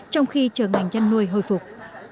trong khi trường ảnh nhân nuôi hồi phục